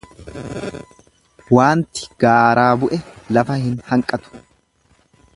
Waanti gaaraa bu'e lafa hin hanqatu.